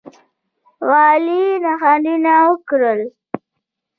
عالي نښانونه ورکړل.